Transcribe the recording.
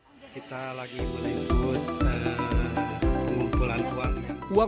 kita lagi mulai untuk kumpulan uang